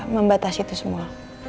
membatasi itu semua